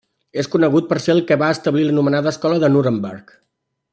És conegut per ser el que va establir l'anomenada escola de Nuremberg.